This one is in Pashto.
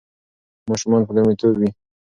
ماشومان به لومړیتوب وي.